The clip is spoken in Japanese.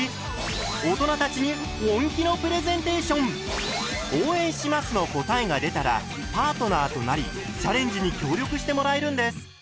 番組では「応援します」の答えが出たらパートナーとなりチャレンジに協力してもらえるんです。